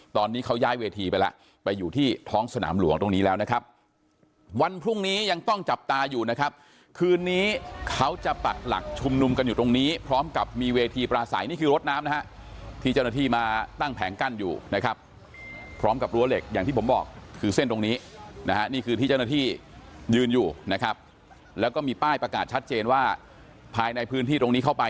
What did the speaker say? ท้องสนามหลวงตรงนี้แล้วนะครับวันพรุ่งนี้ยังต้องจับตาอยู่นะครับคืนนี้เขาจะปรักหลักชุมนุมกันอยู่ตรงนี้พร้อมกับมีเวทีปลาสายนี่คือรถน้ำนะฮะที่เจ้าหน้าที่มาตั้งแผงกั้นอยู่นะครับพร้อมกับรั้วเหล็กอย่างที่ผมบอกคือเส้นตรงนี้นะฮะนี่คือที่เจ้าหน้าที่ยืนอยู่นะครับแล้วก็มีป้ายประกาศชัด